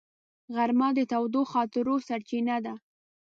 غرمه د تودو خاطرو سرچینه ده